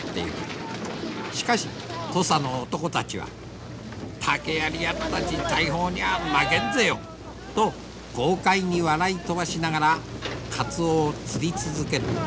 しかし土佐の男たちは「竹やりやったち大砲には負けんぜよ」と豪快に笑い飛ばしながらカツオを釣り続ける。